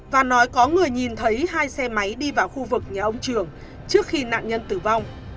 và nói có người nhìn thấy hai xe máy đi vào khu vực nhà ông trường trước khi nạn nhân tử vong